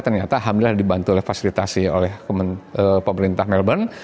ternyata alhamdulillah dibantu oleh fasilitasi oleh pemerintah melbourne